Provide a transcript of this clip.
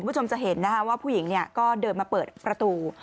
คุณผู้ชมจะเห็นนะคะว่าผู้หญิงก็เดินมาเปิดประตู